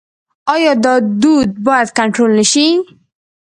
آیا دا دود باید کنټرول نشي؟